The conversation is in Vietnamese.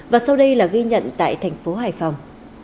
và sau đây là ghi nhận tại thành phố hải phòng